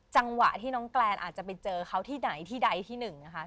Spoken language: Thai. จังหวะที่น้องแกรนอาจจะไปเจอเขาที่ไหนที่ใดที่หนึ่งนะคะ